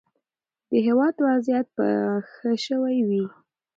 د هیواد وضعیت به ښه شوی وي.